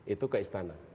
itu ke istana